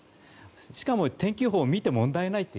しかも天気予報を見て問題ないと。